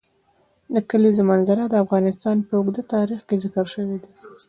د کلیزو منظره د افغانستان په اوږده تاریخ کې ذکر شوی دی.